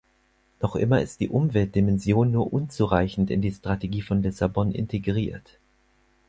Noch immer ist die Umweltdimension nur unzureichend in die Strategie von Lissabon integriert.